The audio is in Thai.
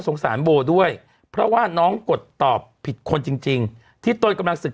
สงสารโบด้วยเพราะว่าน้องกดตอบผิดคนจริงที่ตนกำลังศึก